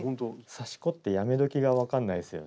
刺し子ってやめ時が分かんないすよね。